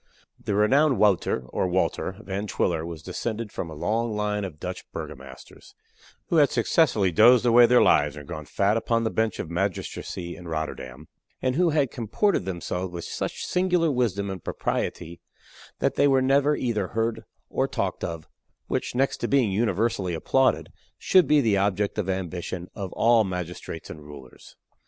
The renowned Wouter (or Walter) Van Twiller was descended from a long line of Dutch burgomasters, who had successively dozed away their lives and grown fat upon the bench of magistracy in Rotterdam, and who had comported themselves with such singular wisdom and propriety that they were never either heard or talked of which, next to being universally applauded, should be the object of ambition of all magistrates and rulers.